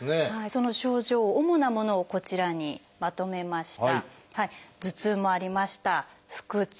その症状主なものをこちらにまとめました。